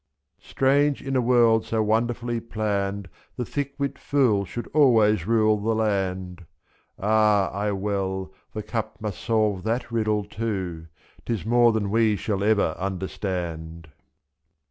Strange in a world so wonderfully planned The thick wit fool should always rule the land, — f'i^'Ahl well, the cup must solve that riddle too, *Tis more than we shall ever understand.